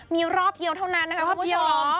มีรอบเดียวเท่านั้นนะคะคุณผู้ชม